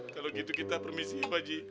kalau gitu kita permisi pak haji